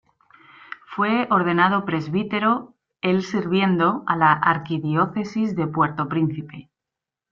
Fue ordenado presbítero el sirviendo a la arquidiócesis de Puerto Príncipe.